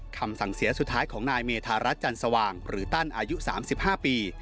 คำสั่งเสียสุดท้ายของนายเมธารัฐจันสว่างหรือตั้นอายุ๓๕ปี